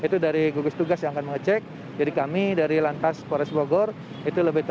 terima kasih pak ketut